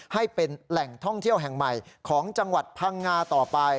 ให้เป็นแหล่งท่องเที่ยวแห่งใหม่ของจังหวัดพังงาต่อไป